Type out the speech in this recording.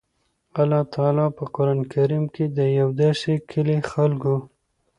الله تعالی په قران کريم کي د يو داسي کلي خلکو